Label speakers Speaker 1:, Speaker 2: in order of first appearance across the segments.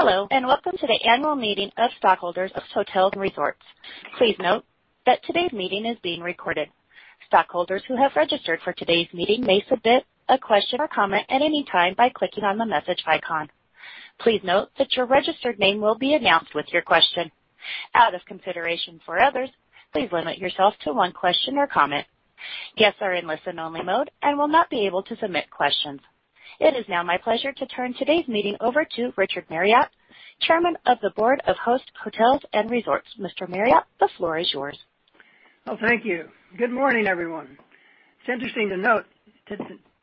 Speaker 1: Hello, welcome to the annual meeting of stockholders of Host Hotels & Resorts. Please note that today's meeting is being recorded. Stockholders who have registered for today's meeting may submit a question or comment at any time by clicking on the message icon. Please note that your registered name will be announced with your question. Out of consideration for others, please limit yourself to one question or comment. Guests are in listen-only mode and will not be able to submit questions. It is now my pleasure to turn today's meeting over to Richard Marriott, Chairman of the Board of Host Hotels & Resorts. Mr. Marriott, the floor is yours.
Speaker 2: Oh, thank you. Good morning, everyone. It's interesting to note that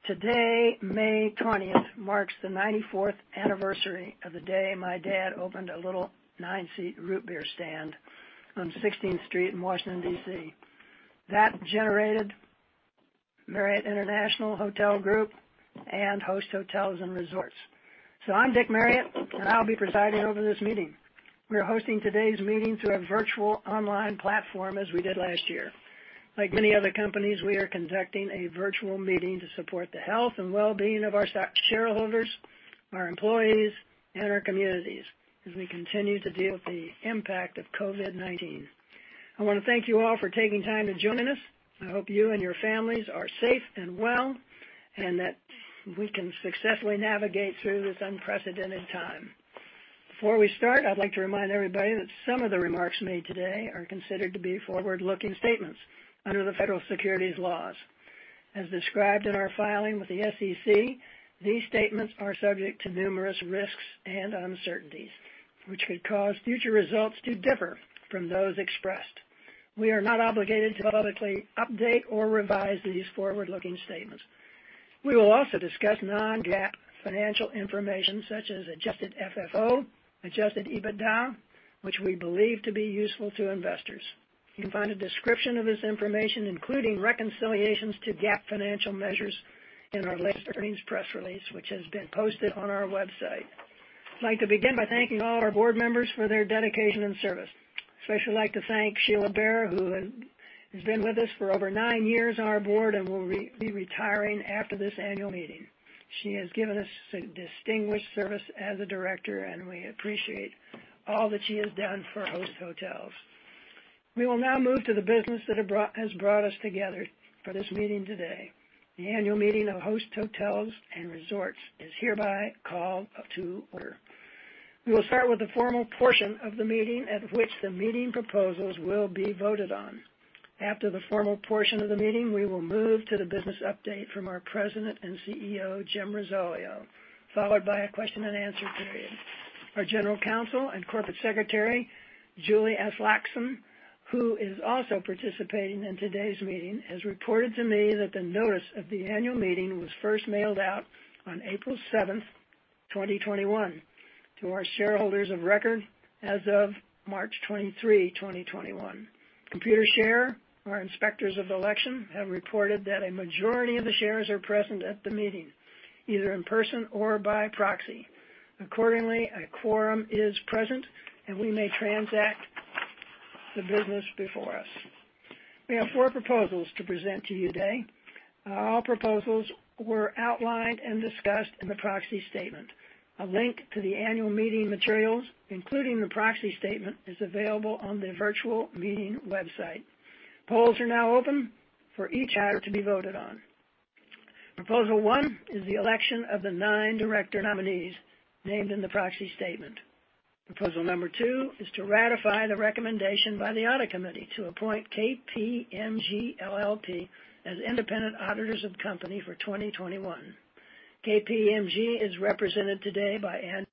Speaker 2: today, May 20th, marks the 94th anniversary of the day my dad opened a little nine-seat root beer stand on 16th Street in Washington, D.C. That generated Marriott International Hotel Group and Host Hotels & Resorts. I'm Dick Marriott, and I'll be presiding over this meeting. We are hosting today's meeting through a virtual online platform as we did last year. Like many other companies, we are conducting a virtual meeting to support the health and well-being of our shareholders, our employees, and our communities as we continue to deal with the impact of COVID-19. I want to thank you all for taking time to join us. I hope you and your families are safe and well, and that we can successfully navigate through this unprecedented time. Before we start, I'd like to remind everybody that some of the remarks made today are considered to be forward-looking statements under the federal securities laws. As described in our filing with the SEC, these statements are subject to numerous risks and uncertainties, which could cause future results to differ from those expressed. We are not obligated to publicly update or revise these forward-looking statements. We will also discuss non-GAAP financial information such as adjusted FFO, adjusted EBITDA, which we believe to be useful to investors. You can find a description of this information, including reconciliations to GAAP financial measures, in our latest earnings press release, which has been posted on our website. I'd like to begin by thanking all our board members for their dedication and service. I especially like to thank Sheila Bair, who has been with us for over nine years on our board and will be retiring after this annual meeting. She has given us distinguished service as a director, and we appreciate all that she has done for Host Hotels. We will now move to the business that has brought us together for this meeting today. The annual meeting of Host Hotels & Resorts is hereby called to order. We will start with the formal portion of the meeting, at which the meeting proposals will be voted on. After the formal portion of the meeting, we will move to the business update from our President and CEO, Jim Risoleo, followed by a question and answer period. Our General Counsel and Corporate Secretary, Julie Aslaksen. who is also participating in today's meeting, has reported to me that the notice of the annual meeting was first mailed out on April 7, 2021, to our shareholders of record as of March 23, 2021. Computershare, our inspectors of election, have reported that a majority of the shares are present at the meeting, either in person or by proxy. Accordingly, a quorum is present, and we may transact the business before us. We have four proposals to present to you today. All proposals were outlined and discussed in the proxy statement. A link to the annual meeting materials, including the proxy statement, is available on the virtual meeting website. Polls are now open for each item to be voted on. Proposal one is the election of the nine director nominees named in the proxy statement. Proposal number two is to ratify the recommendation by the Audit Committee to appoint KPMG LLP as independent auditors of the company for 2021. KPMG is represented today by Andy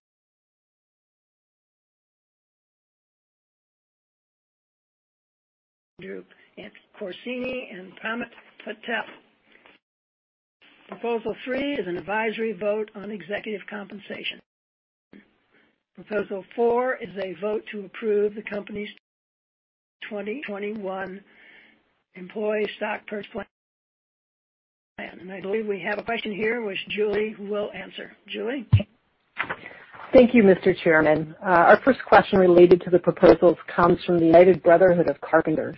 Speaker 2: Corsini and Pramit Patel. Proposal three is an advisory vote on executive compensation. Proposal four is a vote to approve the company's 2021 employee stock purchase plan. I believe we have a question here, which Julie will answer. Julie?
Speaker 3: Thank you, Mr. Chairman. Our first question related to the proposals comes from the United Brotherhood of Carpenters.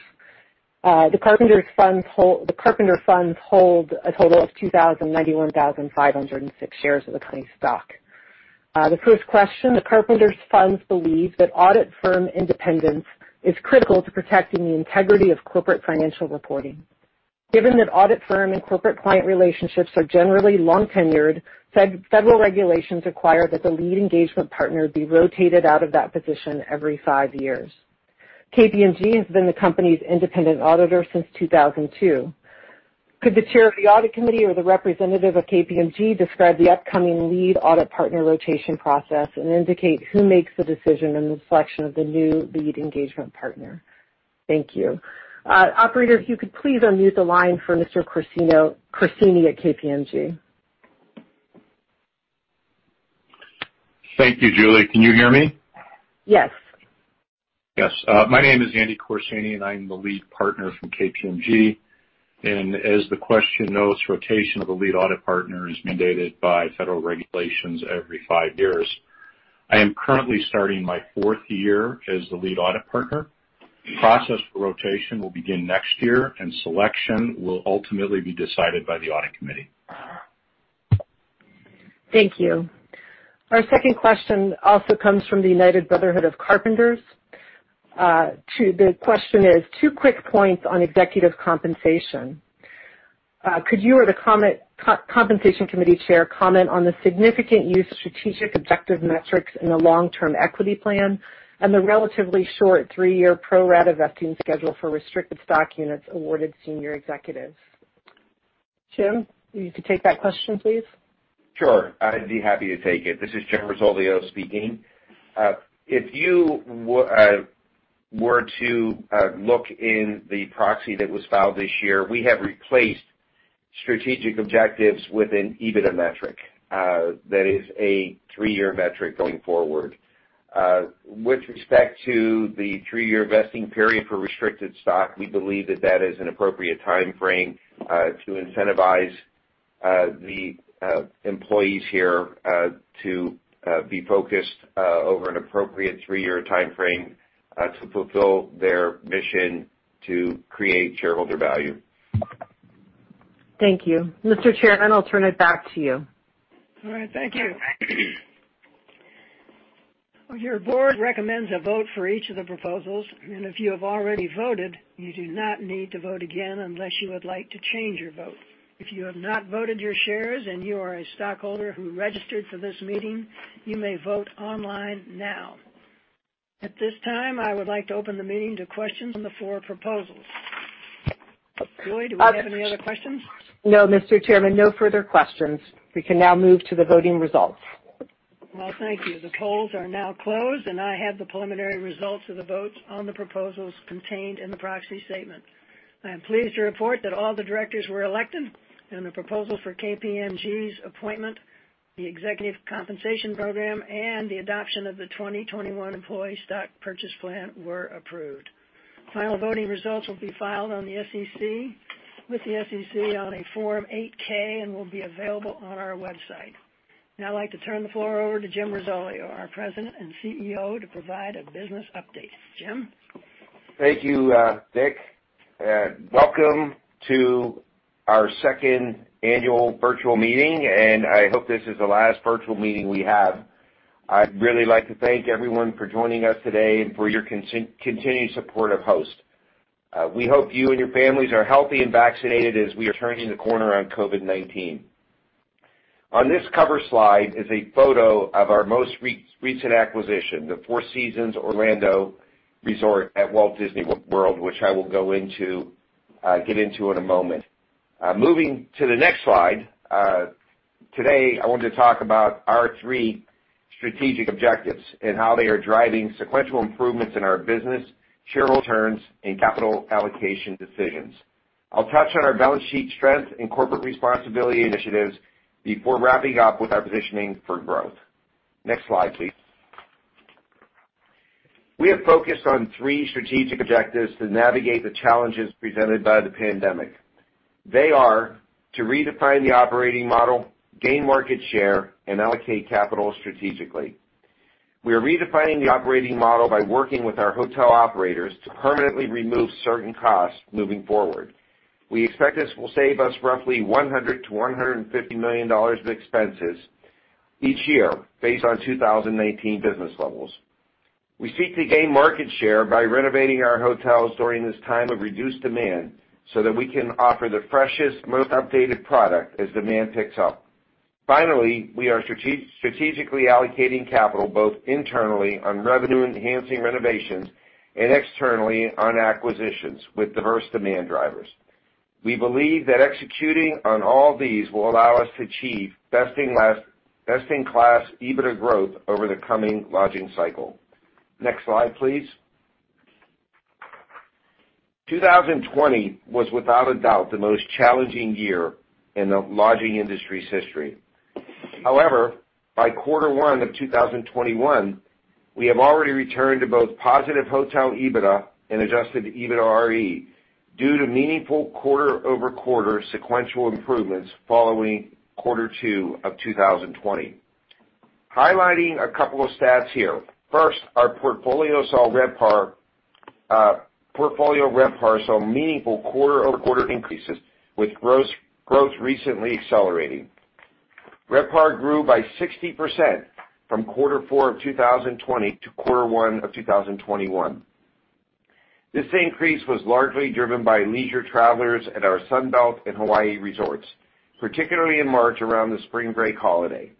Speaker 3: The Carpenters funds hold a total of 291,576 shares of the company's stock. The first question, the Carpenters funds believe that audit firm independence is critical to protecting the integrity of corporate financial reporting. Given that audit firm and corporate client relationships are generally long-tenured, federal regulations require that the lead engagement partner be rotated out of that position every five years. KPMG has been the company's independent auditor since 2002. Could the chair of the Audit Committee or the representative of KPMG describe the upcoming lead audit partner rotation process and indicate who makes the decision in the selection of the new lead engagement partner? Thank you. Operator, if you could please unmute the line for Mr. Corsini at KPMG.
Speaker 4: Thank you. Julie, can you hear me?
Speaker 3: Yes.
Speaker 4: Yes. My name is Andy Corsini, and I'm the lead partner from KPMG. As the question notes, rotation of the lead audit partner is mandated by federal regulations every five years. I am currently starting my fourth year as the lead audit partner. The process for rotation will begin next year, and selection will ultimately be decided by the Audit Committee.
Speaker 3: Thank you. Our second question also comes from the United Brotherhood of Carpenters. The question is two quick points on executive compensation. Could you or the compensation committee chair comment on the significant use of strategic objective metrics in the long-term equity plan and the relatively short three-year pro rata vesting schedule for restricted stock units awarded senior executives? Jim, you could take that question, please.
Speaker 5: Sure. I'd be happy to take it. This is Jim Risoleo speaking. If you were to look in the proxy that was filed this year, we have replaced strategic objectives with an EBITDA metric that is a three-year metric going forward. With respect to the three-year vesting period for restricted stock, we believe that that is an appropriate timeframe to incentivize the employees here to be focused over an appropriate three-year timeframe to fulfill their mission to create shareholder value.
Speaker 3: Thank you. Mr. Chairman, I'll turn it back to you.
Speaker 2: All right, thank you. Your board recommends a vote for each of the proposals, and if you have already voted, you do not need to vote again unless you would like to change your vote. If you have not voted your shares and you are a stockholder who registered for this meeting, you may vote online now. At this time, I would like to open the meeting to questions on the floor of proposals. Julie, are there any other questions?
Speaker 3: No, Mr. Chairman, no further questions. We can now move to the voting results.
Speaker 2: Well, thank you. The polls are now closed, and I have the preliminary results of the votes on the proposals contained in the proxy statement. I am pleased to report that all the directors were elected, and the proposal for KPMG's appointment, the executive compensation program, and the adoption of the 2021 Employee Stock Purchase Plan were approved. Final voting results will be filed with the SEC on a Form 8-K and will be available on our website. I'd like to turn the floor over to Jim Risoleo, our President and CEO, to provide a business update. Jim?
Speaker 5: Thank you, Dick. Welcome to our second annual virtual meeting. I hope this is the last virtual meeting we have. I'd really like to thank everyone for joining us today and for your continued support of Host. We hope you and your families are healthy and vaccinated as we are turning the corner on COVID-19. On this cover slide is a photo of our most recent acquisition, the Four Seasons Resort Orlando at Walt Disney World Resort, which I will get into in a moment. Moving to the next slide. Today, I want to talk about our three strategic objectives and how they are driving sequential improvements in our business, shareholder returns, and capital allocation decisions. I'll touch on our balance sheet strength and corporate responsibility initiatives before wrapping up with our positioning for growth. Next slide, please. We have focused on three strategic objectives to navigate the challenges presented by the pandemic. They are to redefine the operating model, gain market share, and allocate capital strategically. We are redefining the operating model by working with our hotel operators to permanently remove certain costs moving forward. We expect this will save us roughly $100 million-$150 million in expenses each year based on 2019 business levels. We seek to gain market share by renovating our hotels during this time of reduced demand so that we can offer the freshest, most updated product as demand picks up. Finally, we are strategically allocating capital both internally on revenue enhancing renovations and externally on acquisitions with diverse demand drivers. We believe that executing on all these will allow us to achieve best-in-class EBITDA growth over the coming lodging cycle. Next slide, please. 2020 was without a doubt, the most challenging year in the lodging industry's history. However, by quarter one of 2021, we have already returned to both positive hotel EBITDA and adjusted EBITDAre due to meaningful quarter-over-quarter sequential improvements following quarter two of 2020. Highlighting a couple of stats here. First, our portfolio RevPAR saw meaningful quarter-over-quarter increases with growth recently accelerating. RevPAR grew by 60% from quarter four of 2020 to quarter one of 2021. This increase was largely driven by leisure travelers at our Sun Belt and Hawaii resorts, particularly in March around the spring break holiday.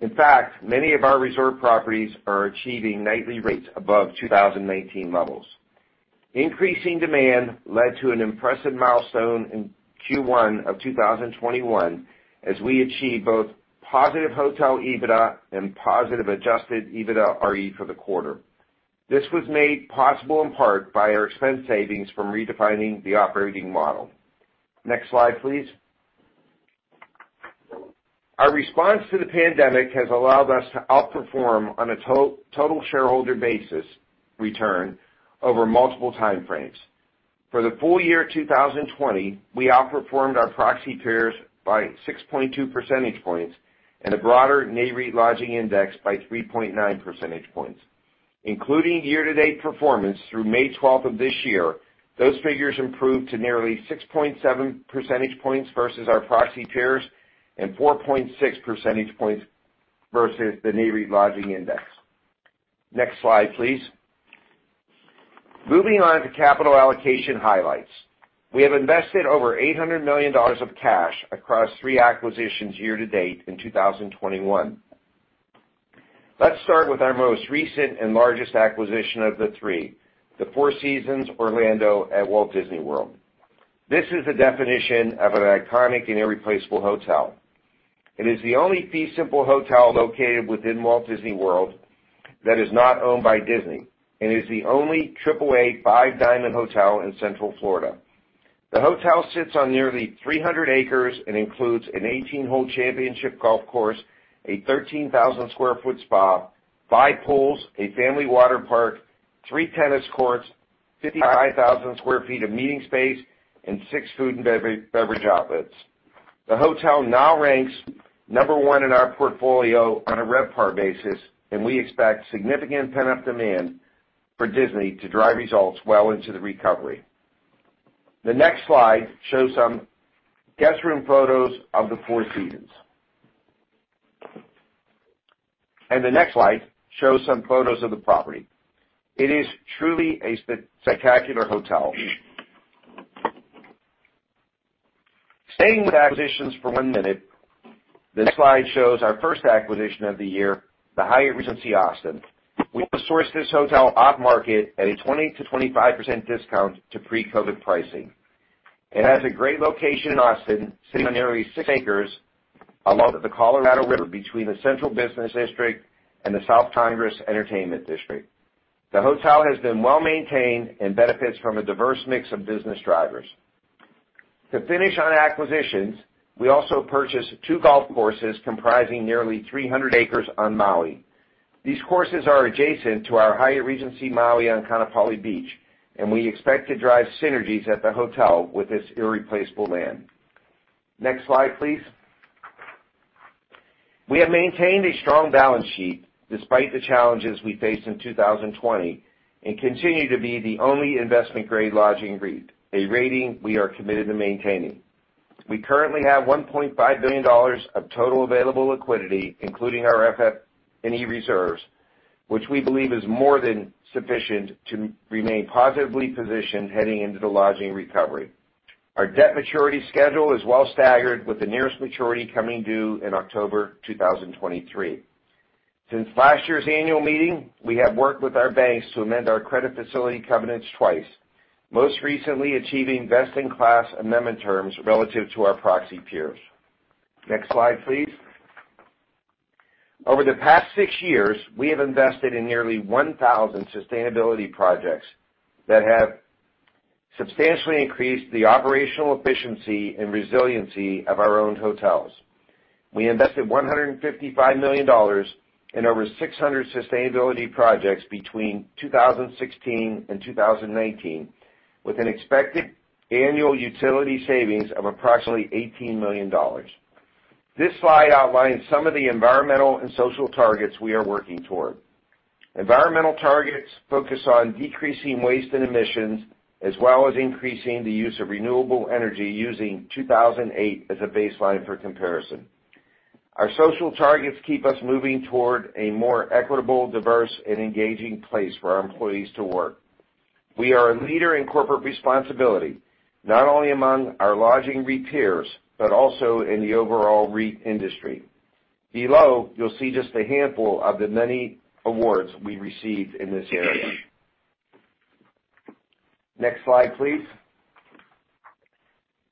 Speaker 5: In fact, many of our resort properties are achieving nightly rates above 2019 levels. Increasing demand led to an impressive milestone in Q1 of 2021 as we achieved both positive hotel EBITDA and positive adjusted EBITDAre for the quarter. This was made possible in part by our expense savings from redefining the operating model. Next slide, please. Our response to the pandemic has allowed us to outperform on a total shareholder basis return over multiple timeframes. For the full year 2020, we outperformed our proxy peers by 6.2 percentage points and the broader [REIT] lodging index by 3.9 percentage points. Including year-to-date performance through May 12th of this year, those figures improved to nearly 6.7 percentage points versus our proxy peers and 4.6 percentage points versus the [REIT] lodging index. Next slide, please. Moving on to capital allocation highlights. We have invested over $800 million of cash across three acquisitions year to date in 2021. Let's start with our most recent and largest acquisition of the three, The Four Seasons Orlando at Walt Disney World. This is the definition of an iconic and irreplaceable hotel. It is the only fee simple hotel located within Walt Disney World that is not owned by Disney, and is the only AAA Five Diamond Hotel in Central Florida. The hotel sits on nearly 300 acres and includes an 18-hole championship golf course, a 13,000 sq ft spa, five pools, a family water park, three tennis courts, 55,000 sq ft of meeting space, and six food and beverage outlets. The hotel now ranks number one in our portfolio on a RevPAR basis, and we expect significant pent-up demand for Disney to drive results well into the recovery. The next slide shows some guest room photos of the Four Seasons. The next slide shows some photos of the property. It is truly a spectacular hotel. Staying with acquisitions for one minute, this slide shows our first acquisition of the year, the Hyatt Regency Austin. We sourced this hotel off-market at a 20%-25% discount to pre-COVID-19 pricing. It has a great location in Austin, sitting on nearly six acres along the Colorado River, between the Central Business District and the South Congress entertainment district. The hotel has been well-maintained and benefits from a diverse mix of business drivers. To finish on acquisitions, we also purchased two golf courses comprising nearly 300 acres on Maui. These courses are adjacent to our Hyatt Regency Maui on Kaanapali Beach, and we expect to drive synergies at the hotel with this irreplaceable land. Next slide, please. We have maintained a strong balance sheet despite the challenges we faced in 2020 and continue to be the only investment-grade lodging REIT, a rating we are committed to maintaining. We currently have $1.5 billion of total available liquidity, including our FF&E reserves, which we believe is more than sufficient to remain positively positioned heading into the lodging recovery. Our debt maturity schedule is well staggered with the nearest maturity coming due in October 2023. Since last year's annual meeting, we have worked with our banks to amend our credit facility covenants twice, most recently achieving best-in-class amendment terms relative to our proxy peers. Next slide, please. Over the past six years, we have invested in nearly 1,000 sustainability projects that have substantially increased the operational efficiency and resiliency of our owned hotels. We invested $155 million in over 600 sustainability projects between 2016 and 2019, with an expected annual utility savings of approximately $18 million. This slide outlines some of the environmental and social targets we are working toward. Environmental targets focus on decreasing waste and emissions, as well as increasing the use of renewable energy using 2008 as a baseline for comparison. Our social targets keep us moving toward a more equitable, diverse, and engaging place for our employees to work. We are a leader in corporate responsibility, not only among our lodging REIT peers, but also in the overall REIT industry. Below, you'll see just a handful of the many awards we received in this area. Next slide, please.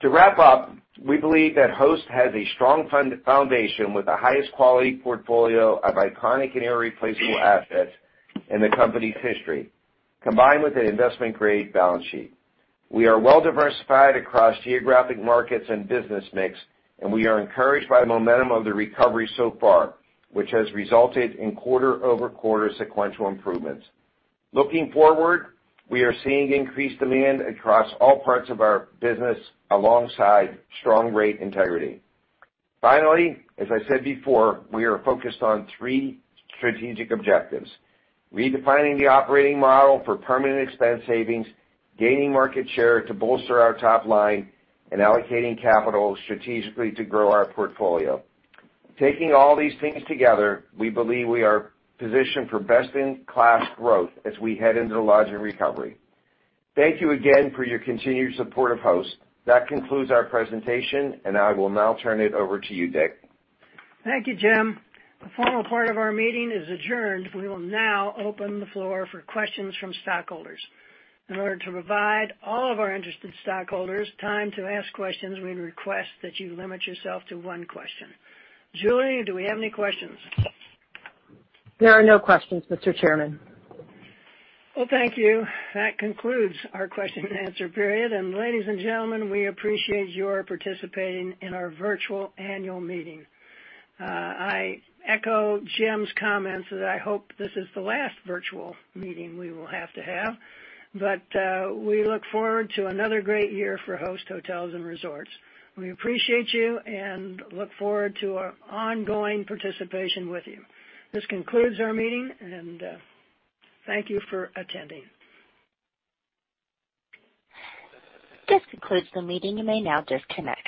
Speaker 5: To wrap up, we believe that Host has a strong foundation with the highest quality portfolio of iconic and irreplaceable assets in the company's history, combined with an investment-grade balance sheet. We are well-diversified across geographic markets and business mix, we are encouraged by momentum of the recovery so far, which has resulted in quarter-over-quarter sequential improvements. Looking forward, we are seeing increased demand across all parts of our business alongside strong rate integrity. Finally, as I said before, we are focused on three strategic objectives: redefining the operating model for permanent expense savings, gaining market share to bolster our top line, and allocating capital strategically to grow our portfolio. Taking all these things together, we believe we are positioned for best-in-class growth as we head into the lodging recovery. Thank you again for your continued support of Host. That concludes our presentation, and I will now turn it over to you, Dick.
Speaker 2: Thank you, Jim. The formal part of our meeting is adjourned. We will now open the floor for questions from stockholders. In order to provide all of our interested stockholders time to ask questions, we request that you limit yourself to one question. Julie, do we have any questions?
Speaker 3: There are no questions, Mr. Chairman.
Speaker 2: Well, thank you. That concludes our question and answer period. Ladies and gentlemen, we appreciate your participating in our virtual annual meeting. I echo Jim's comments that I hope this is the last virtual meeting we will have to have, but we look forward to another great year for Host Hotels & Resorts. We appreciate you and look forward to our ongoing participation with you. This concludes our meeting. Thank you for attending.
Speaker 1: This concludes the meeting. You may now disconnect.